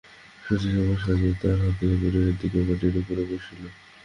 শচীশ তামাক সাজিয়া তাঁর হাতে দিয়া তাঁর পায়ের দিকে মাটির উপরে বসিল।